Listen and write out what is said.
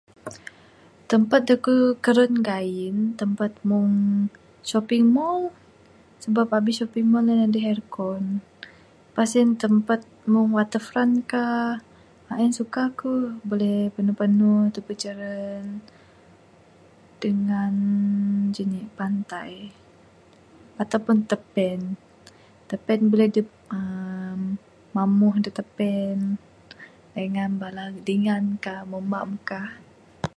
Tempat da ku karan ga'in, tempat mung shopping mall. Sebab abih shopping mall nang aduh aircon. Wang sen tempat mung waterfront kah. A'in suka ku. Buleh panu panu tebuk jaran dengan jenik pantai atau pun tapen. Tapen buleh adup uhh mamuh da tapen dengan bala dingan kah, mambak kah.